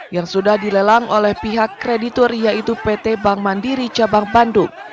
yang sudah dilelang oleh pihak kreditur yaitu pt bank mandiri cabang bandung